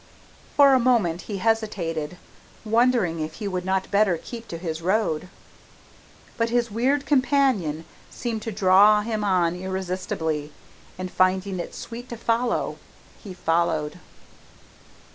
For a moment he hesitated, wondering if he would not better keep to his road, but his weird companion seemed to draw him on irresistibly, and finding it sweet to follow, he followed.